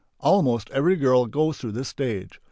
Almost every girl goes through this stage.